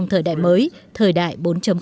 thời đại mới thời đại bốn